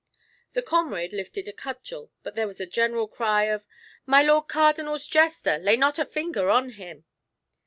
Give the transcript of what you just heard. The comrade lifted a cudgel, but there was a general cry of "My Lord Cardinal's jester, lay not a finger on him!"